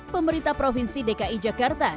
pemerintah provinsi dki jakarta